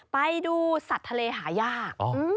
ไปดูสัตว์ทะเลหายาก